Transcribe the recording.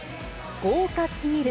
豪華すぎる！